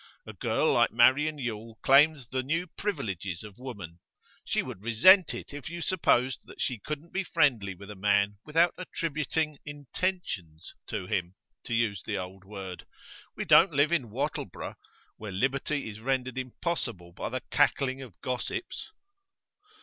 A girl like Marian Yule claims the new privileges of woman; she would resent it if you supposed that she couldn't be friendly with a man without attributing "intentions" to him to use the old word. We don't live in Wattleborough, where liberty is rendered impossible by the cackling of gossips.